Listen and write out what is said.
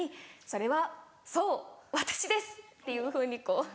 「それはそう私です！」っていうふうにこう。